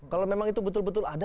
kalau memang itu betul betul ada